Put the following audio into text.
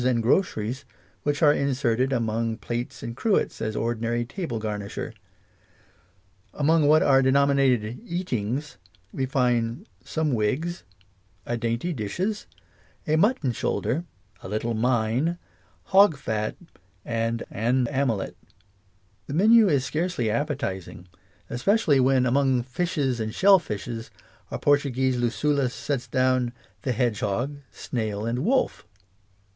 v. and "groceries," which are inserted among plates and cruets as ordinary table garniture. Among what are denominated "Eatings" we find " some wigs," " a dainty dishes," " a mutton shoulder," "a little mine," "hog fat," and " an amelet ": the vtenn is scarcely appe tising, especially when among "Fishes and Shellfishes " our Portuguese Lucullus sets down the "hedgehog," "snail," and "wolf."